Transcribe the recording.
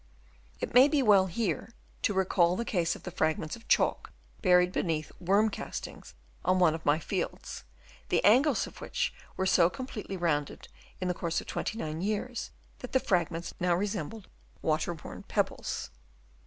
It may be well here to recall the case of the fragments of chalk buried beneath worm castings on one of my fields, the angles of which were so completely rounded in the course of 29 years that the fragments now resembled water worn pebbles.